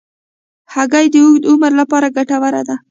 هګۍ د اوږد عمر لپاره ګټوره ده.